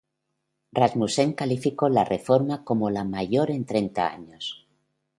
Rasmussen calificó la reforma como la mayor en treinta años.